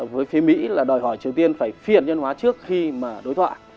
với phía mỹ là đòi hỏi triều tiên phải phiền nhân hóa trước khi mà đối thoại